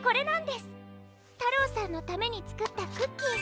たろうさんのためにつくったクッキー。